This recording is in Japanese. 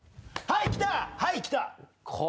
はいきた。